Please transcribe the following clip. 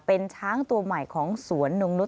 เป็นช้างตัวใหม่ของสวนนงนุษ